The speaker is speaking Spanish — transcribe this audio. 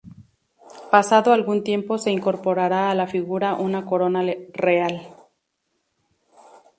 Pasado algún tiempo se incorporará a la figura una corona real.